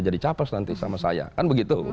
jadi capres nanti sama saya kan begitu